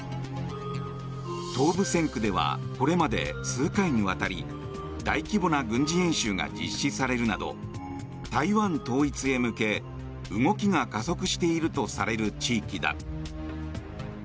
東部戦区ではこれまで数回にわたり大規模な軍事演習が実施されるなど台湾統一へ向け、動きが加速化しているとされる地域だ。